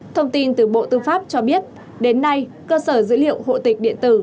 thông tin từ bộ tư pháp cho biết đến nay cơ sở dữ liệu hộ tịch điện tử